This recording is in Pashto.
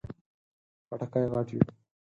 خټکی غټ وي.